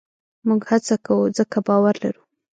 موږ هڅه کوو؛ ځکه باور لرو.